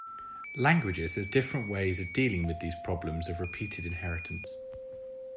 Languages have different ways of dealing with these problems of repeated inheritance.